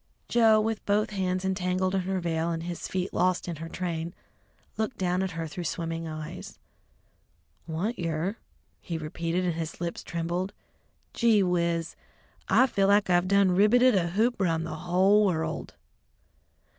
Joe, with both hands entangled in her veil and his feet lost in her train, looked down at her through swimming eyes. "Want yer?" he repeated, and his lips trembled, "gee whiz! I feel like I done ribbeted a hoop round the hull world!"